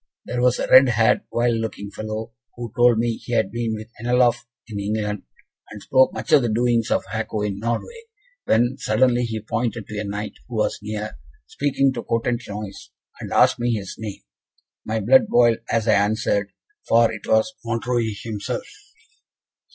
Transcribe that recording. There was a red haired, wild looking fellow, who told me he had been with Anlaff in England, and spoke much of the doings of Hako in Norway; when, suddenly, he pointed to a Knight who was near, speaking to a Cotentinois, and asked me his name. My blood boiled as I answered, for it was Montreuil himself!